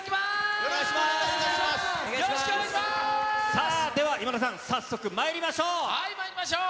さあ、では今田さん、早速まはい、まいりましょう。